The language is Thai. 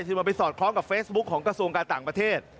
ข้อมูลของเฟซบุ๊คของกระทรวงการต่างประเทศ